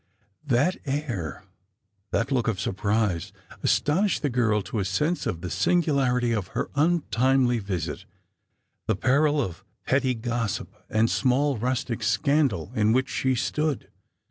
That air, that look of surprise, awakened the girl to a sense of the singularity of her untimely visit ; the peril of petty gossip and small rustic scandal in which she stood.